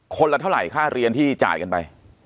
ละเท่าไหรค่าเรียนที่จ่ายกันไป